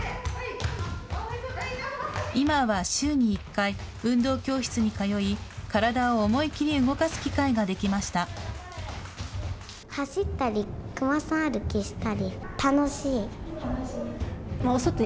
今は週に１回、運動教室に通い、体を思い切り動かす機会ができました。